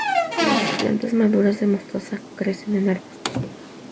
Las plantas maduras de mostaza crecen en arbustos.